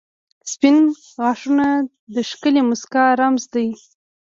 • سپین غاښونه د ښکلې مسکا رمز دی.